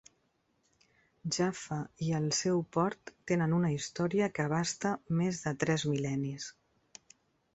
Jaffa i el seu port tenen una història que abasta més de tres mil·lennis.